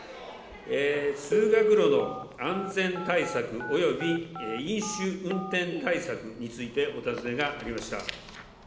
通学路の安全対策および飲酒運転対策についてお尋ねがありました。